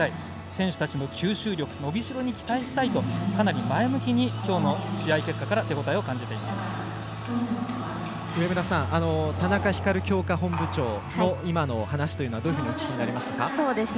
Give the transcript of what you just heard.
選手たちの吸収力伸びしろに期待したいとかなり前向きにきょうの試合結果から田中光強化本部長の今の話というのはどういうふうにお聞きになりましたか？